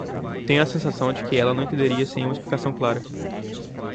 Tenho a sensação de que ela não entenderia sem uma explicação clara.